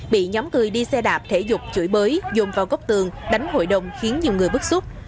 bị nhóm người đi xe đạp thể dục chửi bới dồn vào gốc tường đánh hội đồng khiến nhiều người bức xúc